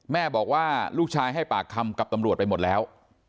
แม่บอกว่าลูกชายให้ปากคำกับตำรวจไปหมดแล้ว